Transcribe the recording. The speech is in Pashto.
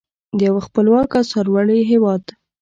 د یو خپلواک او سرلوړي هیواد.